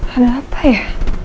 ada apa ya